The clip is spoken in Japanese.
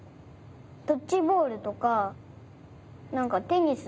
ドッジボールとかなんかテニス。